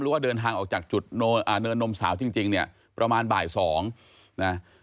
ว่าเดินทางออกจากจุดเนินนมสาวจริงเนี่ยประมาณบ่ายสองนะ